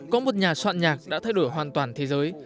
có một nhà soạn nhạc đã thay đổi hoàn toàn thế giới